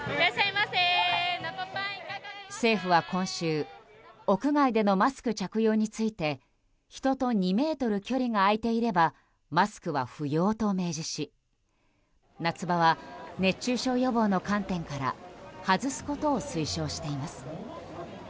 政府は今週屋外でのマスク着用について人と２ｍ距離が空いていればマスクは不要と明示し夏場は熱中症予防の観点から外すことを推奨しています。